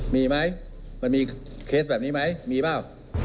มีไหมมันมีเคสแบบนี้ไหมมีเปล่า